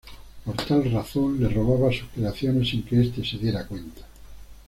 Por tal razón, le robaba sus creaciones sin que este se diera cuenta.